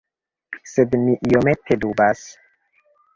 Sed mi iomete dubas.